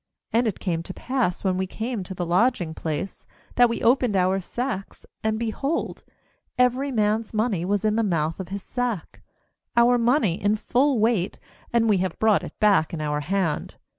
21And it came to pass, when we came to the lodging place, that we opened our sacks, and, behold, every man's money was in the mouth of his sack, our money in full weight; and we have brought it back in our hand.